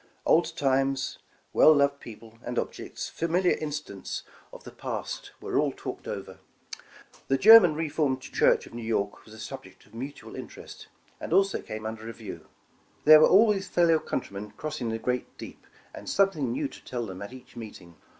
Old times, well loved people and objects, familiar incidents of the past, were all talked over. 77 The Original John Jacob Astor The German Reformed Church of New York was a sub ject of mutual interest, and also came under review. There were always fellow countrymen crossing the great deep, and something nev/ to tell them at each meeting.